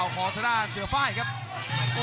โอ้โหโอ้โหโอ้โหโอ้โห